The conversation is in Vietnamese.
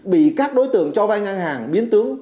bị các đối tượng cho vai ngang hàng biến tướng